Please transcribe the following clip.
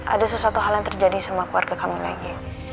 ada sesuatu hal yang terjadi sama keluarga kamu lagi